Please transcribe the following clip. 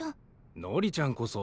のりちゃんこそ。